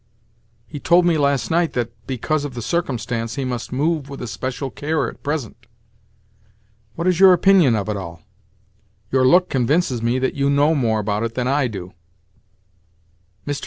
He told me last night that, because of the circumstance, he must 'move with especial care at present.' What is your opinion of it all? Your look convinces me that you know more about it than I do." Mr.